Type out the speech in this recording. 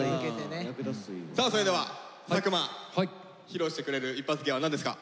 さあそれでは作間披露してくれるイッパツ芸は何ですか？